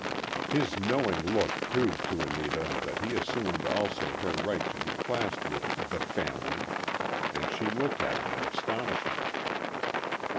His knowing look proved to Anita that he assumed also her right to be classed with "the family" and she looked at him in astonishment.